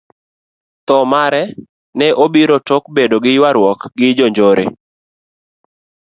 Thoo mare ne obiro tok bedo gi yuaruok gi jonjore.